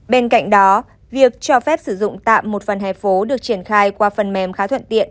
bên cạnh đó việc cho phép sử dụng tạm một phần he phố được triển khai qua phần mềm khá thuận tiện